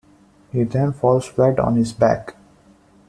He then falls flat on his back.